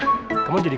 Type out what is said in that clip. nanti kamu berdua